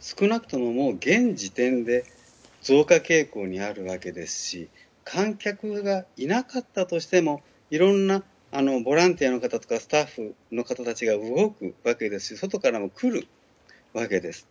少なくとも、もう現時点で増加傾向にあるわけですし観客がいなかったとしてもいろんなボランティアの方とかスタッフの方たちが動く外からも来るわけです。